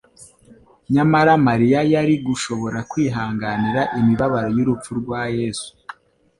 Nyamara Mariya yari gushobora kwihanganira imibabaro y'urupfu rwa Yesu